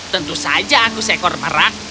tentu saja aku seekor merak